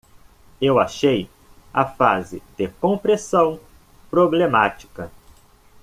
Eu achei a fase de compressão problemática.